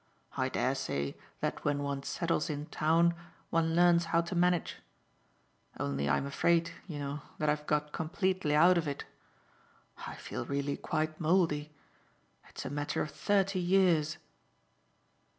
I dare say that when one settles in town one learns how to manage; only I'm afraid, you know, that I've got completely out of it. I do feel really quite mouldy. It's a matter of thirty years